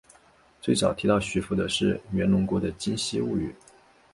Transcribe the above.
最早提到徐福的是源隆国的今昔物语。